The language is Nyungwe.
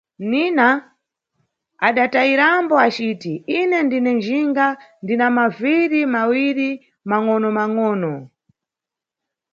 Nina adatayirambo aciti: Ine ndine njinga, ndina maviri mawiri mangʼonomangʼono.